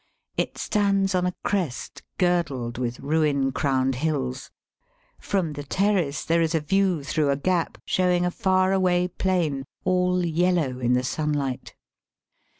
It stands on a crest, girdled with ruin crowned hills. From the terrace there is a view, through a gap, showing a far away plain, all yellow in the sunlight.